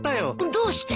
どうして？